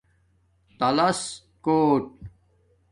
تالس کوٹ